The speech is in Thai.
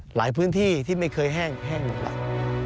หลายพื้นที่ที่ไม่เคยแห้งหมดแล้ว